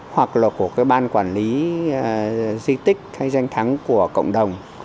hoặc là của cái ban quản lý di tích hay danh thắng của cộng đồng